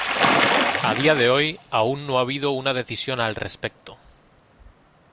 A día de hoy aún no ha habido una decisión al respecto.